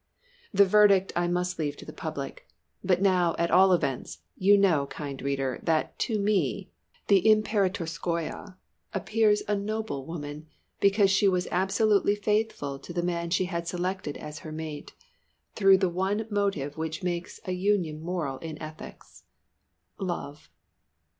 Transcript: The verdict I must leave to the Public, but now, at all events, you know, kind Reader, that to me, the "Imperatorskoye" appears a noble woman, because she was absolutely faithful to the man she had selected as her mate, through the one motive which makes a union moral in ethics Love.